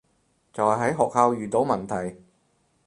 就係喺學校遇到問題